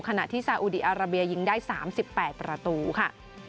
ขณะที่ซาอุดีอาราเบียยิงได้๓๘ประตูค่ะ